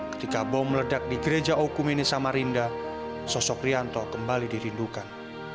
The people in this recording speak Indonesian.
ketika bom meledak di gereja okumene samarinda sosok rianto kembali dirindukan